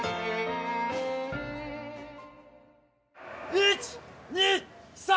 １２３。